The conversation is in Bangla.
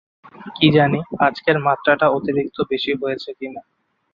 কী জানি আজকের মাত্রাটা অতিরিক্ত বেশি হয়েছে কি না।